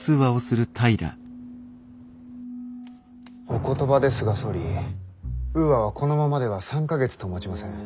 お言葉ですが総理ウーアはこのままでは３か月ともちません。